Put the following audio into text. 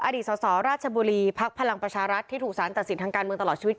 อดีตสสราชบุรีภักดิ์พลังประชารัฐที่ถูกสารตัดสินทางการเมืองตลอดชีวิต